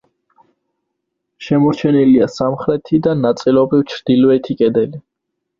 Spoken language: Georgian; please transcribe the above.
შემორჩენილია სამხრეთი და ნაწილობრივ ჩრდილოეთი კედელი.